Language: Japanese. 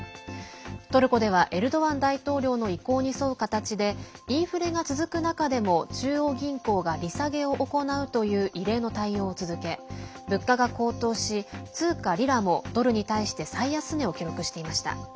トルコでは、エルドアン大統領の意向に沿う形でインフレが続く中でも中央銀行が利下げを行うという異例の対応を続け、物価が高騰し通貨リラも、ドルに対して最安値を記録していました。